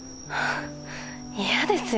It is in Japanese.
嫌ですよ